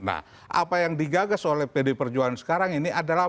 apa yang digagas oleh pdip perjuangan sekarang ini adalah